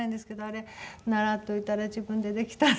あれ習っといたら自分でできたのに。